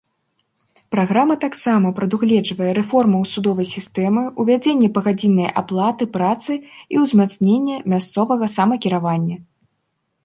Праграма таксама прадугледжвае рэформаў судовай сістэмы, увядзенне пагадзіннай аплаты працы і ўзмацненне мясцовага самакіравання.